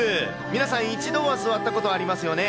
皆さん、一度は座ったことありますよね。